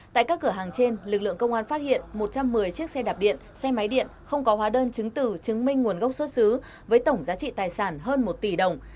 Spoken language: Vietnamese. tại các cửa hàng trên lực lượng công an phát hiện một trăm một mươi chiếc xe đạp điện xe máy điện không có hóa đơn chứng từ chứng minh nguồn gốc xuất xứ với tổng giá trị tài sản hơn một tỷ đồng